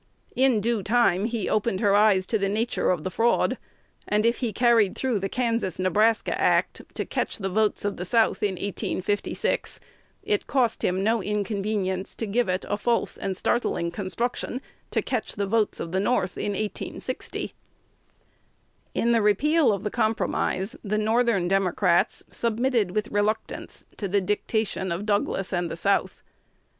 In due time he opened her eyes to the nature of the fraud; and, if he carried through the Kansas Nebraska Act to catch the votes of the South in 1856, it cost him no inconvenience to give it a false and startling construction to catch the votes of the North in 1860. In the repeal of the Compromise, the Northern Democrats submitted with reluctance to the dictation of Douglas and the South.